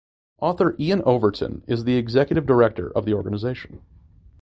Author Iain Overton is the Executive Director of the organisation.